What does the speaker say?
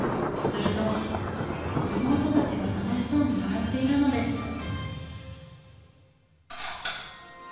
すると妹たちが楽しそうに笑っているのです。